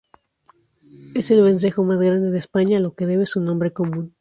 Es el vencejo más grande de España, a lo que debe su nombre común.